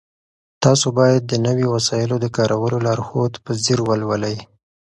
تاسو باید د نويو وسایلو د کارولو لارښود په ځیر ولولئ.